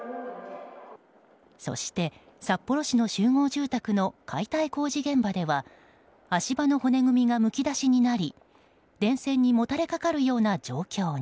そして、札幌市の集合住宅の解体工事現場では足場の骨組みがむき出しになり電線にもたれかかるような状況に。